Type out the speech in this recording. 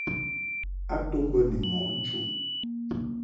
A to bə ni mɔʼ nchuʼ.